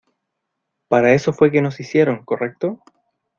¿ Para eso fue que nos hicieron, correcto?